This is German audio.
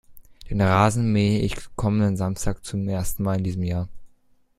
Den Rasen mähe ich kommenden Samstag zum ersten Mal in diesem Jahr.